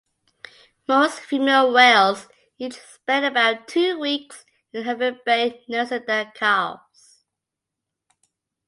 Most female whales each spend about two weeks in Hervey Bay nursing their calves.